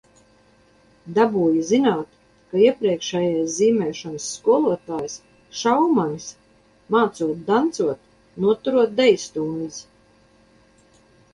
Dabūja zināt, ka iepriekšējais zīmēšanas skolotājs, Šaumanis, mācot dancot, noturot deju stundas.